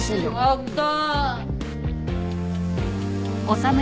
やった。